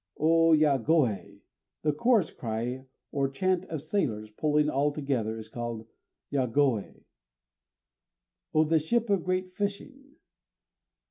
Ô yagoë. The chorus cry or chant of sailors, pulling all together, is called yagoë. _O this ship of great fishing!